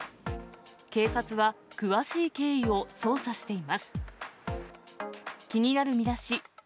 警察は詳しい経緯を捜査しています。